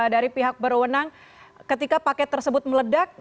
dari pihak berwenang ketika paket tersebut meledak